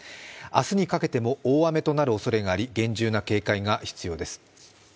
明日にかけても、大雨となるおそれがあり、厳重な警戒が必要です。